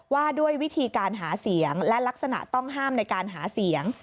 ว่าด้วยวิธีการหาเสียงและลักษณะต้องห้ามในการหาเสียง